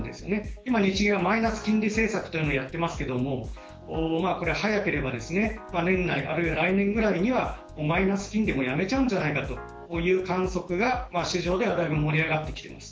今日銀はマイナス金利政策というのをやっていますがこれは早ければ年内あるいは来年ぐらいにはマイナス金利はもうやめちゃうんじゃないかという観測が市場ではだいぶ盛り上がってきています。